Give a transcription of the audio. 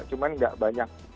cuman nggak banyak